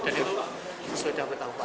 dan itu sesuai dengan peta upaya